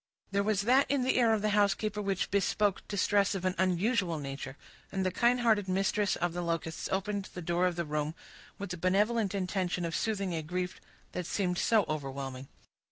There was that in the air of the housekeeper which bespoke distress of an unusual nature, and the kind hearted mistress of the Locusts opened the door of the room, with the benevolent intention of soothing a grief that seemed so overwhelming.